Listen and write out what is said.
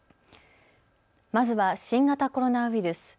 まずは新型コロナウイルス。